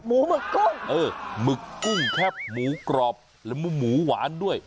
หมึกก้นเออหมึกกุ้งแคบหมูกรอบและหมูหวานด้วย